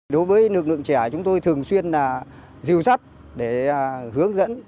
đối với lực lượng trẻ chúng tôi thường xuyên là dưu sắt để hướng dẫn